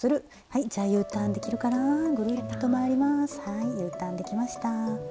はいＵターンできました。